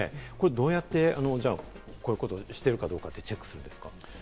どうやって、こういうことをしてるかどうかチェックするんですか？